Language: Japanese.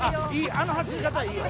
あの走り方いいよ。